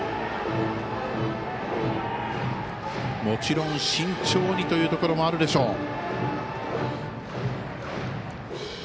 もちろん慎重にというところもあるでしょう。